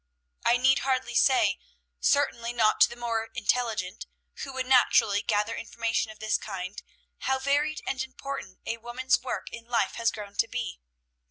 "I need hardly say, certainly not to the more intelligent, who would naturally gather information of this kind, how varied and important a woman's work in life has grown to be.